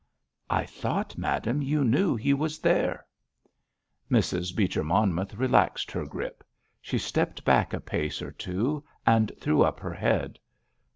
"I thought, madame, you knew he was there." Mrs. Beecher Monmouth relaxed her grip; she stepped back a pace or two and threw up her head.